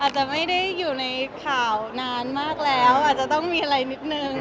อาจจะไม่ได้อยู่ในข่าวนานมากแล้วอาจจะต้องมีอะไรนิดนึง